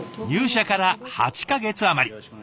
入社から８か月余り。